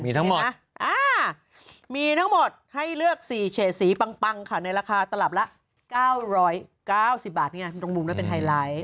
มีทั้งหมดนะมีทั้งหมดให้เลือก๔เฉดสีปังค่ะในราคาตลับละ๙๙๐บาทนี่ไงตรงมุมนั้นเป็นไฮไลท์